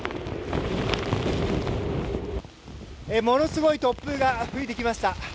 ものすごい突風が吹いてきました。